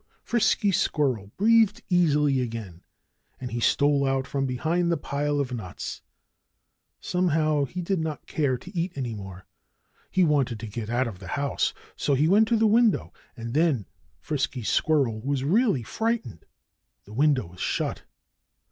Frisky Squirrel breathed easily again. And he stole out from behind the pile of nuts. Somehow, he did not care to eat any more. He wanted to get out of the house. So he went to the window. And then Frisky Squirrel was really frightened. The window was shut!